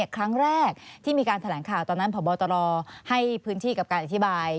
ครั้งแรกที่มีการแถลงข่าวตอนนั้นพบตรให้พื้นที่กับการอธิบาย